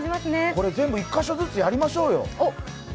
これ全部、１カ所ずつやりましょうよ。